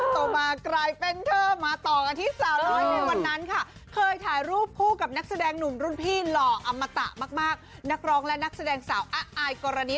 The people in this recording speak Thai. ก็สามารถที่นี่แล้วที่วินทรัพย์น้อยอ่ะพลังสมสารจะเป็นแผนที่เมื่อก่อน